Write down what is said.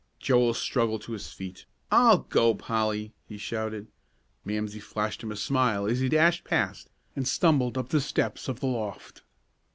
Joel struggled to his feet. "I'll go, Polly," he shouted. Mamsie flashed him a smile as he dashed past and stumbled up the steps of the loft.